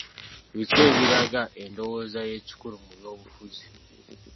Biki ebiraga endowooza y'ekikulu mu by'obufuzi?